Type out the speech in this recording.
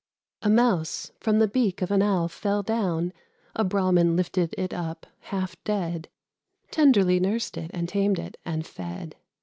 A Mouse from the beak of an owl fell down, A Brahmin lifted it up, half dead: Tenderly nursed it, and tamed it, and fed.